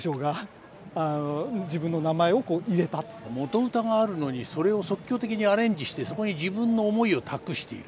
元歌があるのにそれを即興的にアレンジしてそこに自分の思いを託している。